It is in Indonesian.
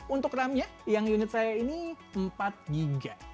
untuk ram nya yang unit saya ini empat gb